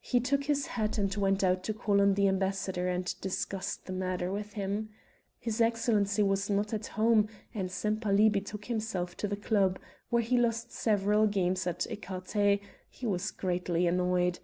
He took his hat and went out to call on the ambassador and discuss the matter with him. His excellency was not at home and Sempaly betook himself to the club, where he lost several games at ecarté he was greatly annoyed.